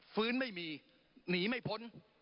ฟื้นไม่มีหนีไม่พ้น